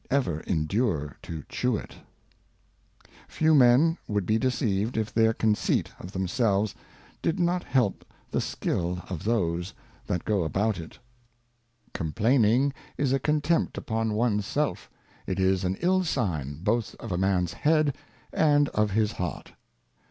ever endure to chew it. Few Men would be deceived, if their Conceit of themselves did not help the Skill of those that go about it. COMPLAINING 248 Miscellaneous Thoughts Complaint. COMPLAINING is a Contempt upon ones self : It is an ill Sign both of a Man's Head and of his Heart.